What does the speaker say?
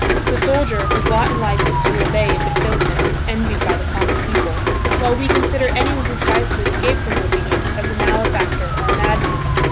The soldier, whose lot in life is to obey if it kills him is envied by the common people, while we consider anyone who tries to escape from obedience as a malefactor or a madman.